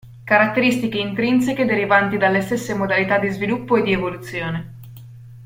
Caratteristiche intrinseche derivanti dalle stesse modalità di sviluppo e di evoluzione.